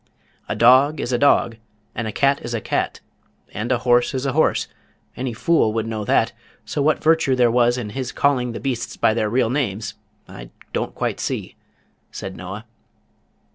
"A dog is a dog, and a cat is a cat, and a horse is a horse. Any fool would know that, so what virtue there was in his calling the beasts by their real names I don't quite see," said Noah.